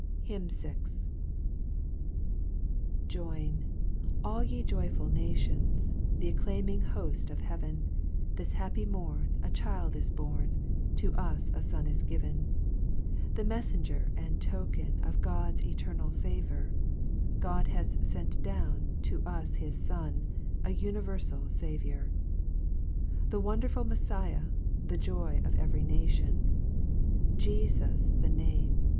HYMN VI. ] TOIN, all ye joyful nations, O IV acclaiming holt of heaven. This happy mor J is born, To us a Son is given. The Meflenger and Token Of God's eternal favour, God hath fent down. To us his Son, ' A univerfal Saviour ! e wonderful Median, jov of every nation, • Jcfus the Name.